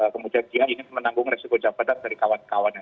kemudian dia ingin menanggung resiko jabatan dari kawan kawannya